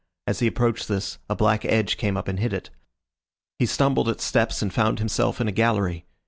As he approached this, a black edge came up and hid it. He stumbled at steps and found himself in a gallery.